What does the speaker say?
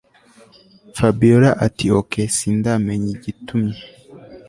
Fabiora atiokey sindamenya igitumye